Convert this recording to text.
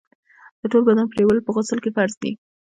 د ټول بدن پرېولل په غسل کي فرض دي.